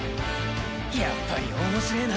やっぱりおもしれえな。